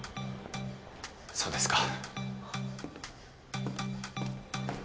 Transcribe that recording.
そうですか。